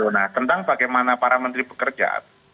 nah tentang bagaimana para menteri bekerja